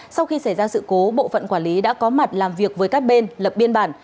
sau khi xảy ra sự cố bộ phận quản lý đã có mặt làm việc với các bên lập biên bản